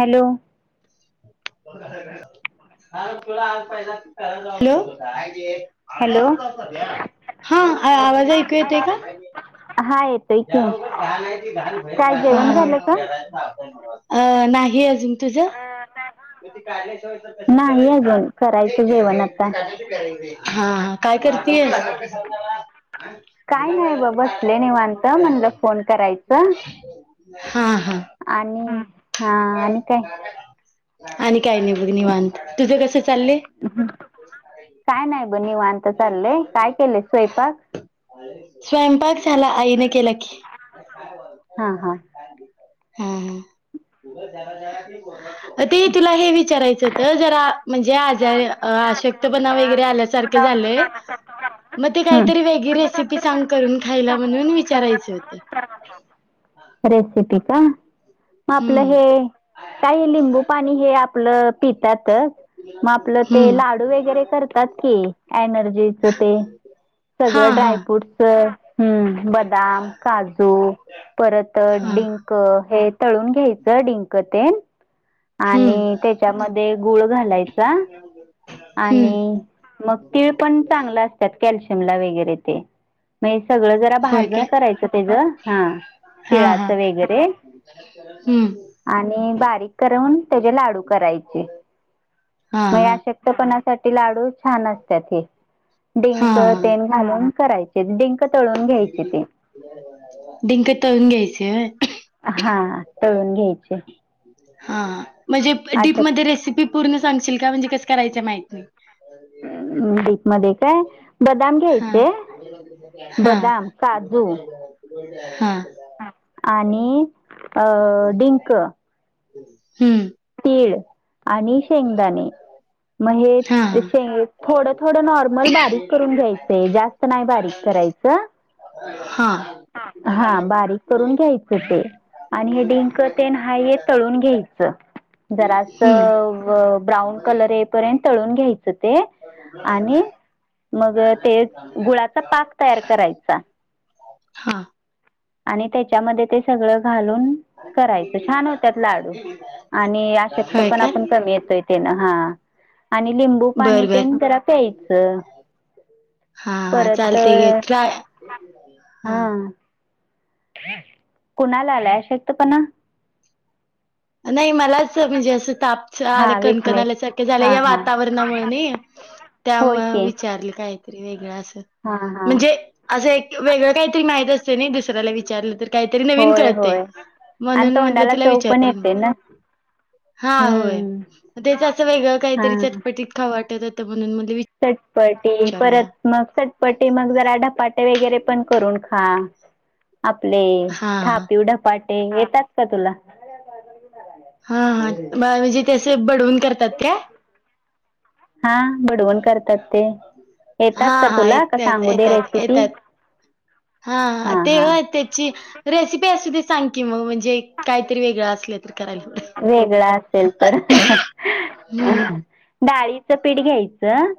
Hello ब का का हा तुला आज प करायला ला हॅलो अर् हा आवाज ऐकू येते का हा येतोय घ की काय जेवण झालं का? आहे नाही अजून तुझ पैस नाही प्या अजून करायचं जेवण आता. हा काय करतेय हिजय पाहिजे म्हण फोन करायच हा हा आणि हा आणि काय आणि काय नि निवांत तुझ कस चालले काय नाही बणीवत चाललंय काय केले स्वयंपाक स्वयंपाक झाला आईने केला. की हा हा. हम् हम. ते तुला हे विचारायचं जरा म्हणजे आज शक्तपणा वगैरे आल्यासारखे झालेय मग ते हम्म काहीतरी वेगळी रेसिपी चांग करून खायला म्हणून विचारायच होत रेसिपी का मग आपलं हम्म. हे काही लिंबू पाणी हे आपलं पितातच मग आपलं ते हम्म. लाडू वगैरे करतात कि एनर्जीच ते हा सगळं हा ड्राय फ्रूटस हम्म बदाम काजू परत हा डिंक हे तळून घ्यायचं डिंकतेन हम्म. आणि त्याच्यामध्ये गुळ घालायचा हम्म. आणि मग तीळ पण चांग असतात कश वगरे ते म सगळं जरा होय भाजण काय? करायचं त्याच हा हा हा तिळाचं वगैरे हम्म. आणि बारीक करवून त्याचे लाडू करायचे हा मग हा शकत पण हा ड घ हा क ळून घ्यायचे ते तऊून घ्यायचे हा तळून घ्यायचे हा म्हणजे अशा डडीपमध्येध्ये रेसिपी पूर्ण सांगशील का म्हणजे कस करायच्या माहिती नाही ह् ब मध्ये काय बदाम हा. घ्यायचे हा. बदाम काजू हा आणि अ डिंक हम्म. तीळ आणि शेंगदाणे मग हा हा. थोड थोड नॉर्मल बारीक करून घ्यायचंय जास्त नाही बारीक करायचं ह हा बारीक करून घ्यायचं ते आणि हे डिंक ते नाहीय तळून घ्यायचं जरा हम्म. अस ब्राऊन कलर ये पर्यंत तळून घ्यायच ते आणि मग ते गुळाचा पाक तयार करायचा हा आणि त्याच्यामध्ये ते सगळं घालून करायचं छान होतत लाडू आणि आशकत होय पण का आपण कमी येतोय ते ना हा आणि लिंबू पाणी बर बर तेन जरा प्यायचं हा हा परत चालते घे तुला हा कुणाला आला शकत पणा नाही मलाच म्हणजे असं तापच आलं हा विकनेस कणकणल्यासारख्या झालं हा या हा. वातावरणामुळे नाही त्यामु होय की विचारले काय वेगळ अस हा हा म्हणजे असं एक वेगळं काहीतरी माहत असत नाही दुसऱ्याला विचारलं तर का नन होय क होय आणि म्हण म्ह तोंडाला चव तलाच पण येते ना हा होय हम्म अस वेगळ काहीतरी चटटीत ख पाठतात म्हणून त्या चटपटी विचारूया परत मग चटपटी मग जर आढपाटे वगैरे पण करून खा आपले हा हा थापीव ढपाटे येतात का तुला हा हा म्हणजे त्या अस बडवून करतात त्या हा बडवण करतात ते हा येतात का हा तुला का येतात सांगू दे येतात रेथिी येतात हा ते त्याची रेसिपी अस सांग की मग म्हणजे काहीतरी वेगळं अस वेगळा असेल तर हम्म डाळीचं पीठ घ्यायचं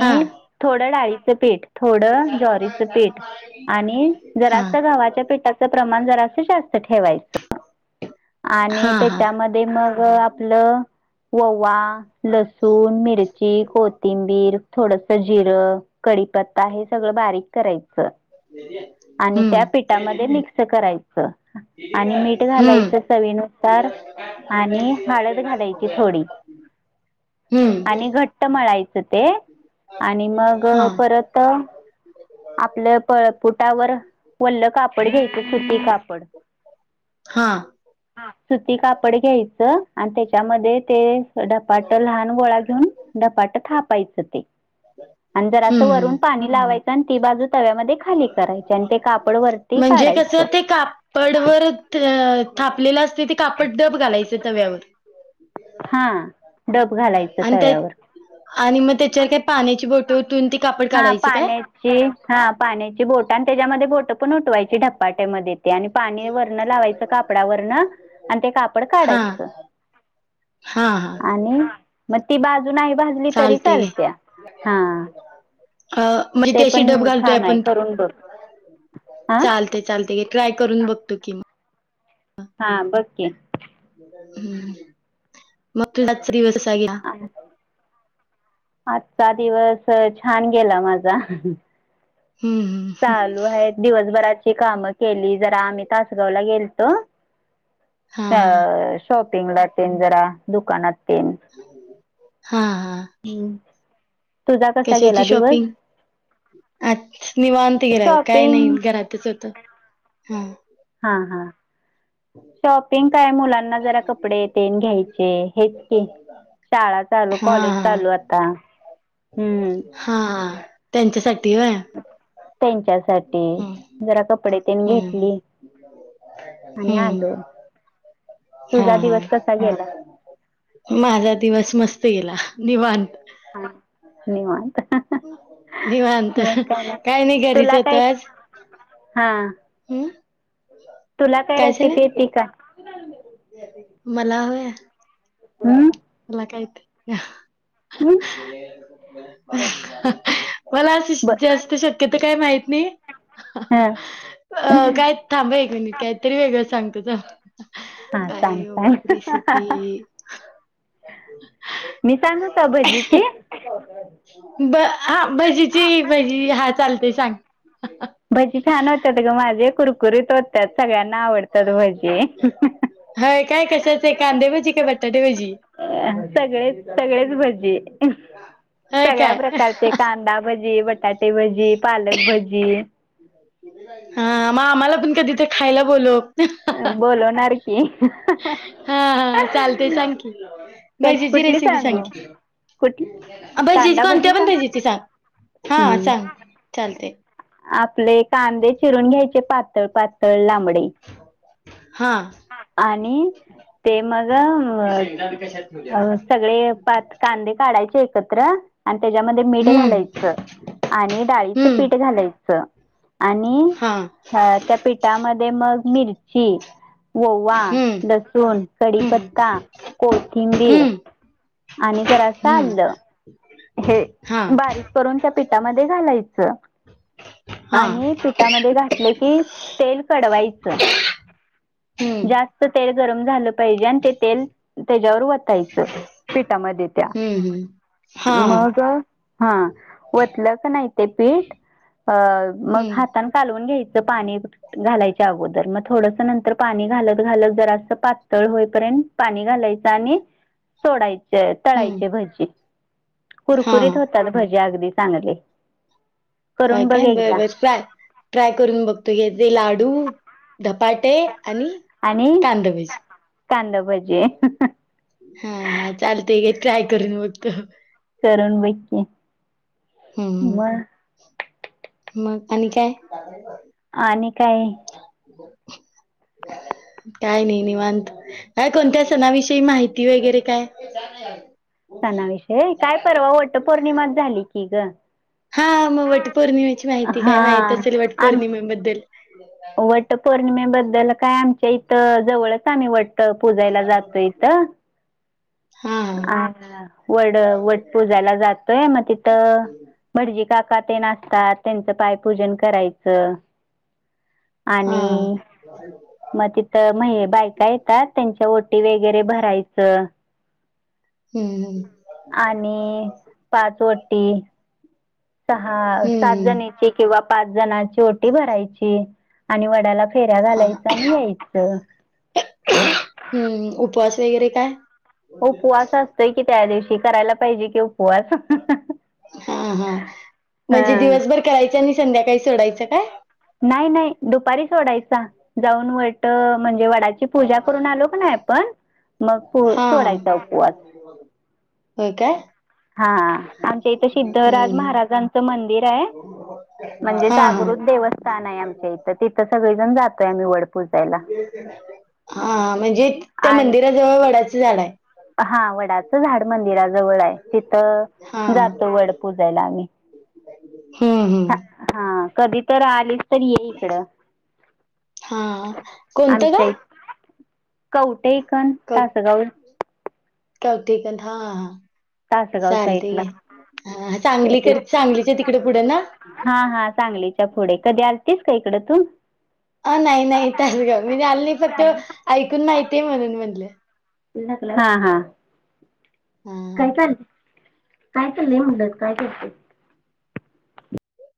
हा थोडं डाळीचं पीठ थोडं ज्वारीचं पीठ आणि हा जरास्त गवा्हाच्या पिठाचं प्रमाण जरासत जास्त ठेवायचं आणि हा हा त्याच्यामध्ये मग आपलं ववा लस ल सून मिरची कोथ कोथिंबीर थोडस जिरं कडीीपत्ता हे सगळं बारीक करायचं आणि त्या हम्म पिठामध्ये मिक्स करायचं आणि मीठ हम्म घालायचं चवीनुसार आणि हळद घालायची थोडी हम्म ट म्हळायचं ते आणि मग हा परत आपलं पळपुटावर वल्लं कापड घ्यायचं सुती कापड हा ह सुती कापड घ्यायचं आणि त्याच्यामध्ये ते डपाट लहान वोळा घेऊन डपाट थापायचं ते आणि जर असं हम्म वरून पाणीलावायचं आणि ती बाजू तव्यामध्ये खाली करायची आणि ते कापड वरती म्हणजे कस काढायचं ते कापडवरर थापलेलं असते ते कापड दडब घालायचं तव्यावर हा डब घालायचं आणि त्या तव्यावर आणि मग त्याच्यावर काय पाण्याची बोट ओतून ते कापड हा काढायचं पाण्याची हा पाण्याची बोट आणि त्याच्यामध्ये बोट पण उठवायची पाट्यामध्ये ते आणि पाणी वरन लावायचं कापडावरन आणि ते कापड हा काढायचं हा हा आणि मग ती बाजू नाही भाजली तरी चालते घे चालत्या हा अ म्हणजे ते त्या अशी डब पण घालतोय छान आहे आपण करून बघ हा चालते चालते ग ट्राय करून बघतो की मग हा बककी हम्म मग रात्रीग्या आजचा दिवस छान गेला माझा. हम्म हम्म. चालू आहेत दिवसभराची कामं केली जरा आम्ही तासगावला गेलतो हा अ हा शॉपिंग ला तेन जरा दुकानात तेन हम. हम्म. तुझा कसा गला दिवस. अच निवांत गरा काय नाही शॉपिंग घरातच होत हा हा हा. शॉपिंग काय मुलांना जरा कपडे तेन घ्यायचे हेच क शाळा चालू हा कॉलेज हा चालू आता. हम्म हा. त्यांच्यासाठी व त्यांच्या सा जरा कपडे त्यांनी हम्म घेतली. आणि हम्म. आलो हा तुझा हा दिवस कसा गेला माझा दिवस मस्त सला निव अत धन्यवाद निवांत काय नाही घरीच होत आज हां हम् तुला काय रेसिपी येते का? मला होय मला कायत हम्. मला असशी बर जास्त शक्यत काय माहित नाही. हा अ काय थांब एक मिनिट काय तरी वेगळं सांग तोझ हा थँक. रेसिपी मी सांगू सा भजीची. ब हा भजीची भजी हा चालते सांग. हां. भजी छान होतात ग माझे कुरकुरीत होतात सगळ्यांना आवडतात भजी. हय काय कशाच आहे कांदे भजी का बटाटे भजी सगळेच सगळेच भज हय सगळ्या काय प्रकारचे कांदा भजी बटाटे भजी पालक भजी हा. म आम्हाला पण कधी ते खायला बोल हा. बोलवणार की चालते सांग की कश भजीची कुठली रेसिपी सांग सांगू की कुठली भहिजीची कांदा भजी कोणत्या पण सांग भहिजीची सांग हा हम्म. सांग चालते. आपले कांदे चिरून घ्यायचे पातळ पातळ लांबडे हा आणि ते मग अ. अ सगळे प कांदे काढायचे सत्र आणि त्याच्यामध्ये मीठ हम्म घालायचं आणि डाळीचं हम्म पीठ घालायचं. आणि हा अ त्या पिठामध्ये मग मिरची वओवा, हम्म लसूण, हम्म कडीीपत्ता, कोथिंबीर हम्म आणि जरा हम्म चाललं. हे हा बारीक करून त्या पिठामध्ये घालायच. हा आणि पिठामध्ये घातले की तेल कडवायचं. हम्म जास्त तेल गरम झालं. पाजे ते तेल त्याच्यावर वचायचं पिठामध्ये त्या हम्म हम्म हा हा मग हा वतलं का नाही ते पीठ अ मग हम्म हात कालू घ्यायच पाणी घालायच्या अगोदर मग थोडस नंतर पाणी घालत घालत जर पातळ होईपर्यंत पाणी घालायच आणि सोडायच हम्म तळायचे भजी हा कुरकुरीत होतात भज्या अगदी चांगली. होय काय बरबर ट्राय करून बघतो घ ते लाडू धपाटे आणि आणि कांदा भजी, कांदा भजी हा हा चालते घे, ट्राय करून बघतो. करून बघकी, हम्म म, मग आणि काय? आणि काय, [unintelligible] काय नाही निवांत काय, कोणत्या सणाविषयी माहिती वगैरे काय, [unintelligible] सणाविषय, काय परवा वाटत पौर्णिमात झाली की ग, हा मग वटपौर्णिमेची माहिती काय माहती असेल, वटपौर्णिमेबद्दल वट पौर्णिम बद्दल काय आमच्या इथ जवळच आम्ही वट पूजायला जातो इथ हा अ वड वट पूजाला जातोय मग तिथं भटजी का क ते नाचतात त्यांचं पायपूजन करायचं. हा. आणि मग तिथं म्ह बायका येतात त्यांच्या ओटी वगैरे भरायचं. हम्म हम्म. आणि पाचवटी सहा सात हम्म जणीची किंवा पाच जणची ओटी भरायची. आणि वड्याला, फेऱ्या हा घालायच आणि यायच, हम्म [unintelligible] [unintelligible] काय उपवास असतोय की त्या दिवशी करायला पाहिजे कि, हा हा म्हणजे हा दिवसभर करायचं, आणि संध्याकाळी सोडायचं काय, नाही नाही दुपारी सोडायचा, जाऊन वट म्हणजे वडाची पूजा करून, आलो क नाही आपण, मग पू हा, सोडायचा हा उपवास हो काय, हा आमच्या इथे सिद्ध राज हम्म महाराजांचं मंदिर आहे, म्हणजे हा जाग हा जागृत देवस्थान आहे, आमच्या इथं तिथं सगळे जण जातोय आम्ही वड पूजायला हा म्हणजे त्या, आणि मंदिराजवळ वडाचं झाड आहे. हा वडाचं झाड मंदिराजवळ आहे. तिथं हा जातो वड पूजयला आम्ही, हम, छा हम, हा कधी तर आली, तरी ये इकडं, हा कोणतं आमच्या गाव कवठे कण कव तासगाव, [unintelligible] हा हा, तासगाव साईड चालते ला, घे हा सांगलीकड सांगलीच्या तिकडे पुढे ना? हा हा सांगली च्यापुढे कधी अतीस? हीकडा तू? अ नाही नाही तासगांव मीआली नाही, फक्त ऐकून माहितीय म्हणून म्हणलं. हा हा, हा. कायचलय म्हण्टलं, काय करते,